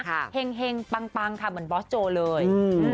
เห็งปังค่ะเหมือนบอสโจเลย